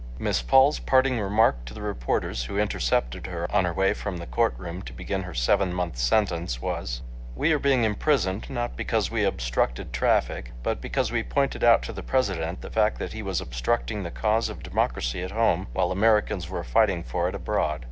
Miss Paul's parting remark to the reporters who intercepted her on her way from the courtroom to begin her seven months' sentence was: "We are being imprisoned, not because we obstructed traffic, but because we pointed out to the President the fact that he was obstructing the cause of democracy at home, while Americans were fighting for it abroad."